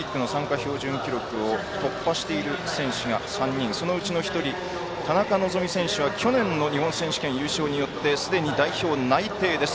標準記録を突破している選手が３人そのうちの１人、田中希実選手が去年の日本選手権優勝によってすでに代表が内定です。